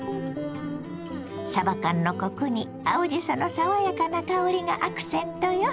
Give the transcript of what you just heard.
さば缶のコクに青じその爽やかな香りがアクセントよ。